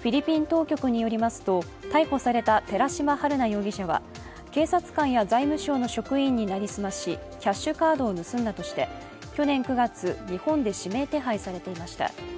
フィリピン当局によりますと、逮捕された寺島春奈容疑者は警察官や財務省の職員に成り済まし、キャッシュカードを盗んだとして去年９月、日本で指名手配されていました。